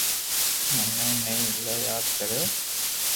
مي ٺني ايلائي ياد ڪريو